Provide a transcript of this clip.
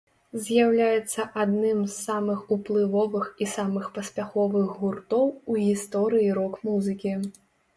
З'яўляецца адным з самых уплывовых і самых паспяховых гуртоў у гісторыі рок-музыкі.